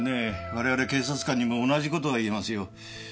我々警察官にも同じ事が言えますよ。